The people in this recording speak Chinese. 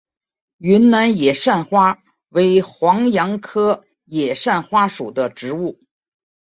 云南野扇花为黄杨科野扇花属的植物。